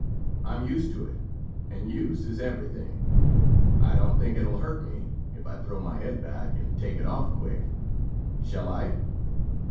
I'm used to it, and use is everything. I don't think it'll hurt me, if I throw my head back, and take it off quick. Shall I?"